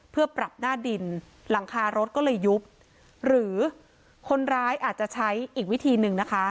เพื่อปรับหน้าดินหลังคารถก็เลยยุบหรือคนร้ายอาจจะใช้อีกวิธีหนึ่งนะคะ